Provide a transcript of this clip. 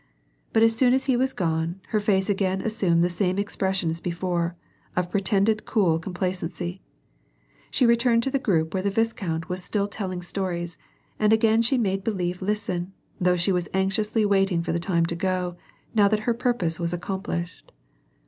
But as soon as he was gone, her face again assumed the same expression as before, of pretended cool complacency. She returned to the group where the viscount was still telling stones, and again she made believe listen, though she was anxiously waiting for the time to go, now that her purpose was accomplished.